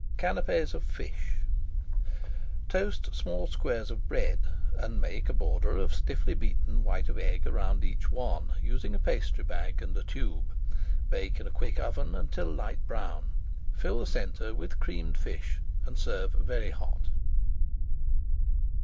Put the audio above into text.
CANAPES OF FISH Toast small squares of bread and make a [Page 457] border of stiffly beaten white of egg around each one, using a pastry bag and tube. Bake in a quick oven until light brown. Fill the centre with creamed fish and serve very hot.